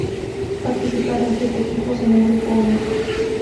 Participaron siete equipos en un grupo único.